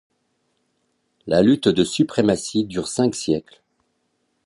La lutte de suprématie dure cinq siècles.